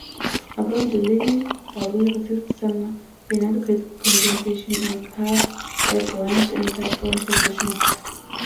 Apparently Lady Raleigh received some inadequate compensation, and Carr at once entered on possession.